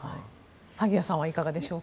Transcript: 萩谷さんはいかがでしょうか。